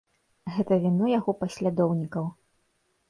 Гэта віна яго паслядоўнікаў.